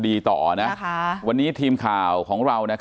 ที่โพสต์ก็คือเพื่อต้องการจะเตือนเพื่อนผู้หญิงในเฟซบุ๊คเท่านั้นค่ะ